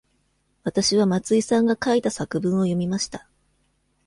わたしは松井さんが書いた作文を読みました。